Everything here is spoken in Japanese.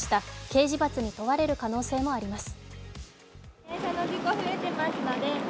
刑事罰に問われる可能性もあります。